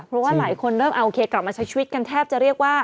เพราะว่าหลายคนเริ่มโอเคกลับมาใช้ชีวิตกันแทบจะเรียกว่า